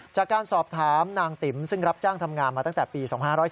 จากการสอบถามนางติ๋มซึ่งรับจ้างทำงานมาตั้งแต่ปี๒๕๔